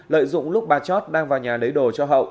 lợi dụng lúc bà chót đang vào nhà lấy đồ cho hậu